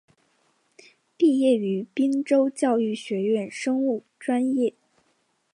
毕业于滨州教育学院生物专业。